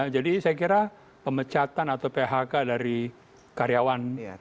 jadi saya kira pemecatan atau phk dari karyawan